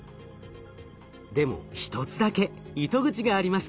でも一つだけ糸口がありました。